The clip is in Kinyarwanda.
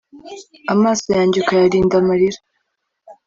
amaso yanjye ukayarinda amarira